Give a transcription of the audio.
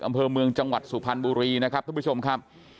อำเภอเมืองจังหวัดสุภัณฑ์บุรีท่านประชมค่ะ